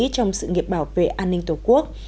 trong sự nghiệp bảo vệ an ninh tổ quốc